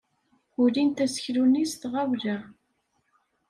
Ulint aseklu-nni s tɣawla.